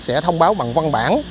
sẽ thông báo bằng văn bản